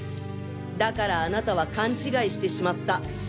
だからあなたはカン違いしてしまった。